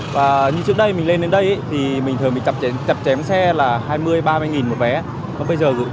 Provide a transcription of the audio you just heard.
và như trước đây mình lên đến đây thì mình thường chập chém xe là hai mươi ba mươi một vé